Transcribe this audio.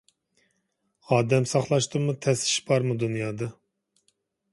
ئادەم ساقلاشتىنمۇ تەس ئىش بارمىدۇ دۇنيادا؟